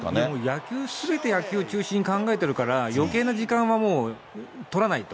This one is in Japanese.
野球すべて、野球中心に考えてるから、よけいな時間はもう取らないと。